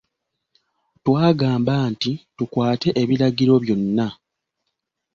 Twagamba nti tukwate ebiragiro byonna.